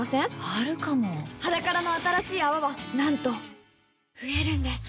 あるかも「ｈａｄａｋａｒａ」の新しい泡はなんと増えるんです